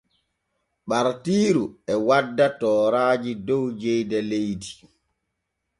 Ɓartiiru e wadda tooraaji dow jeyde leydi.